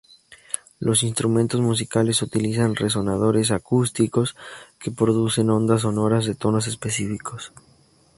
Los instrumentos musicales utilizan resonadores acústicos que producen ondas sonoras de tonos específicos.